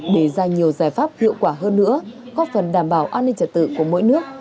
để ra nhiều giải pháp hiệu quả hơn nữa góp phần đảm bảo an ninh trật tự của mỗi nước